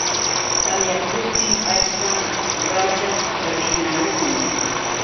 Tamyamuptin achkan rachaq rinarimun.